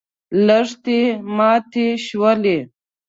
لښتې ماتې شولې.